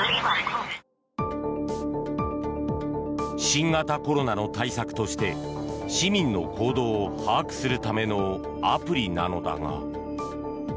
新型コロナの対策として市民の行動を把握するためのアプリなのだが。